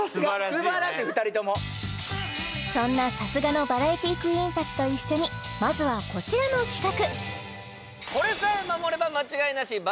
すばらしい２人ともそんなさすがのバラエティクイーンたちと一緒にまずはこちらの企画